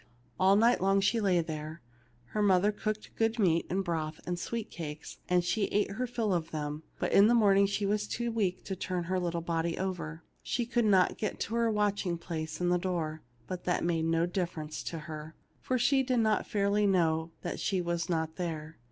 All night long, as she lay there, her mother cooked good meat and broth and sweet cakes, and she ate her fill of them ; but in the morning she was too weak to turn her little body over. She could not get to her watching place in the door, but that made no difference to her, for she did not fairly know that she was not there.